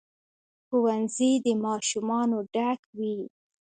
ښوونځي د ماشومانو ډک وي.